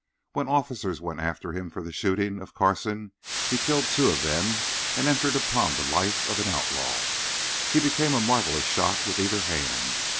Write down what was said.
When officers went after him for the shooting of Carson, he killed two of them, and entered upon the life of an outlaw. He became a marvellous shot with either hand.